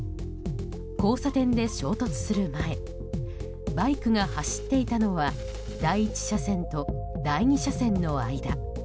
交差点で衝突する前バイクが走っていたのは第１車線と第２車線の間。